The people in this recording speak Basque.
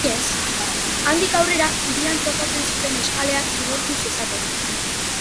Handik aurrera hirian topatzen zuten eskalea zigortu zezatela.